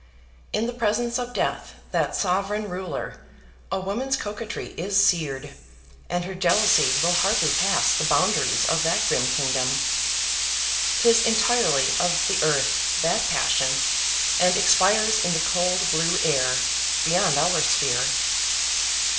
In the presence of Death, that sovereign ruler, a woman's coquetry is seared; and her jealousy will hardly pass the boundaries of that grim kingdom. 'Tis entirely of the earth, that passion, and expires in the cold blue air, beyond our sphere.